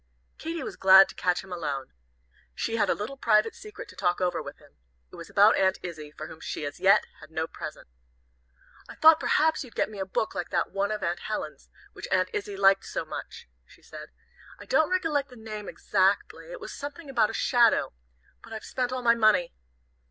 Katy was glad to catch him alone. She had a little private secret to talk over with him. It was about Aunt Izzie, for whom she, as yet, had no present. "I thought perhaps you'd get me a book like that one of Cousin Helen's, which Aunt Izzie liked so much," she said. "I don't recollect the name exactly. It was something about a Shadow. But I've spent all my money."